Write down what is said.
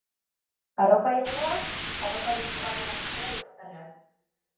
Arroka igneoak arrokarik ugarienak dira lurrazalean.